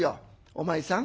『お前さん